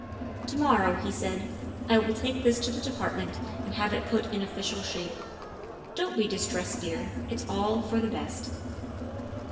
" To morrow," he said, " I will take this to the De partment and have it put in official shape. Don't be distressed, dear. It 's all for the best.